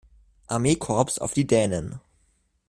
Armeekorps auf die Dänen.